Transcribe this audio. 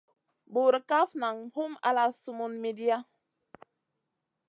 Burkaf nang hum ala sumun midia.